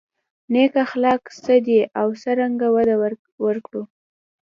نېک اخلاق څه دي او څرنګه وده ورکړو.